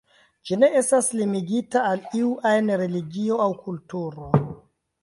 Ĝi ne estas limigita al iu ajn religio aŭ kulturo.